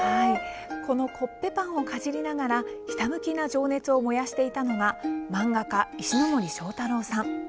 このコッペパンをかじりながら、ひたむきな情熱を燃やしていたのが漫画家、石ノ森章太郎さん。